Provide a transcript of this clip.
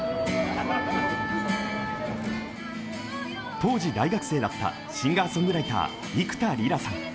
当時、大学生だったシンガーソングライター幾田りらさん。